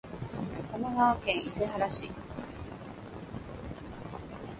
神奈川県伊勢原市